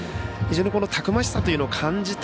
たくましさというのを感じた